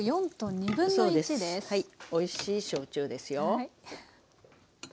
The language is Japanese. おいしい焼酎ですよ。